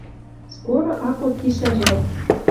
Скоро ак код кишӓжӓт.